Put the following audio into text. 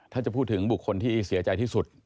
ถ้าจะพูดถึงบุคคลที่เสียใจที่สุด